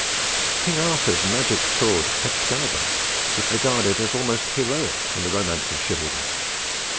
King Arthur's magic sword "Excalibur" was regarded as almost heroic in the romance of chivalry.